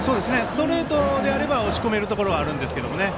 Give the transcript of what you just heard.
ストレートであれば押し込めるところがあるんですが。